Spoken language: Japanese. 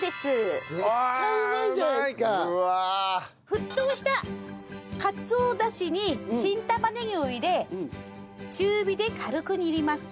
沸騰したかつおダシに新玉ねぎを入れ中火で軽く煮ます。